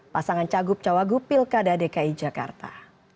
pasangan cagup cawagup pilkada dki jakarta